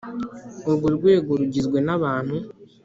Urwo rwego rugizwe n abantu